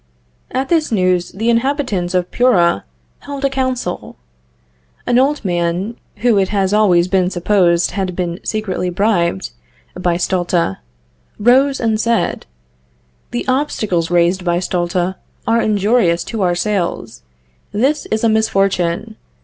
At this news, the inhabitants of Puera held a council. An old man (who it has always been supposed had been secretly bribed by Stulta) rose and said: "The obstacles raised by Stulta are injurious to our sales; this is a misfortune.